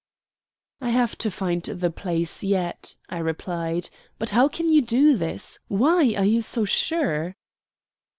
"I have to find the place yet," I replied. "But how can you do this? Why are you so sure?"